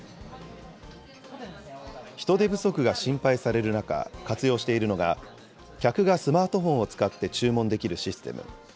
人手不足が心配される中、活用しているのが、客がスマートフォンを使って注文できるシステム。